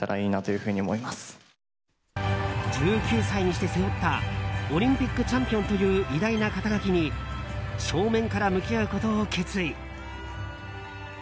１９歳にして背負ったオリンピックチャンピオンという偉大な肩書に正面から向き合うことを決意。